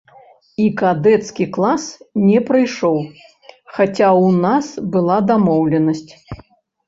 І кадэцкі клас не прыйшоў, хаця ў нас была дамоўленасць.